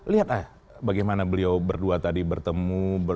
lihat ah bagaimana beliau berdua tadi bertemu